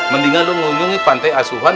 mendingan lo ngunjungi pantai asuhan